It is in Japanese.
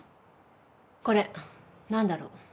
これ何だろう？